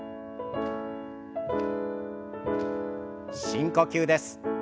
深呼吸です。